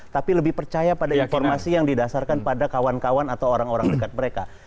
tapi lebih percaya pada informasi yang didasarkan pada kawan kawan atau orang orang dekat mereka